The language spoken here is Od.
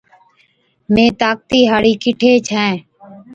مين طاقتِي هاڙَي ڪِٺي ڇَين،